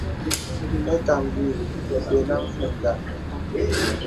Məkàməlì nə̀ bə̀nəŋ mindàk.